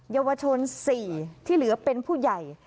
เยาวชน๔ที่เหลือเป็นผู้ใหญ่